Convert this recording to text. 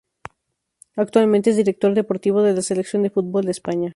Actualmente es director deportivo de la Selección de fútbol de España.